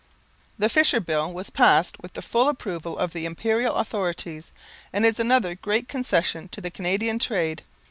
The Fisher Bill was passed with the full approval of the Imperial authorities, and is another great concession to the Canadian trade.